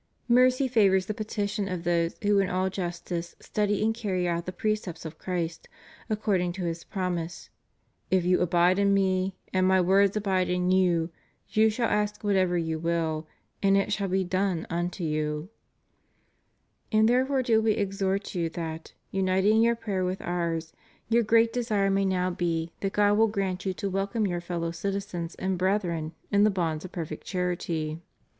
Mercy favors the petition of those who in all justice study and carry out the precepts of Christ, according to His promise: // you abide in Me, and My words abide in you, you shall ask whatever you will, and it shall be done unto you} And therefore do We exhort you that, uniting your prayer with Ours, your great desire may now be that God "wdll grant you to welcome your fellow citizens and brethren in the bond of perfect charity.